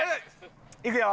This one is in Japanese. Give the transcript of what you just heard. いくよ？